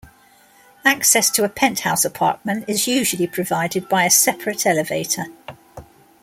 Access to a penthouse apartment is usually provided by a separate elevator.